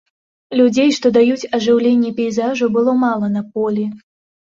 Людзей, што даюць ажыўленне пейзажу, было мала на полі.